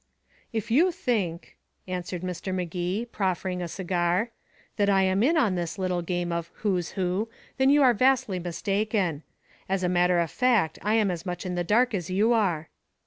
"If you think," answered Mr. Magee, proffering a cigar, "that I am in on this little game of 'Who's Who', then you are vastly mistaken. As a matter of fact, I am as much in the dark as you are."